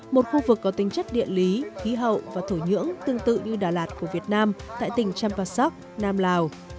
một khu vực có tính chất địa lý khí hậu và thổ nhưỡng tương tự như đà lạt của việt nam tại tỉnh champasak nam lào